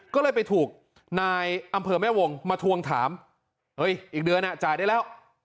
ก็เลยไปถูกนายอำเภอแม่วงมาทวงถามเฮ้ยอีกเดือนอ่ะจ่ายได้แล้ว